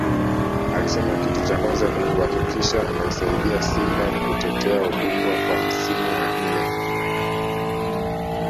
alisema kitu cha kwanza ni kuhakikisha anaisaidia Simba kutetea ubingwa kwa msimu wa nne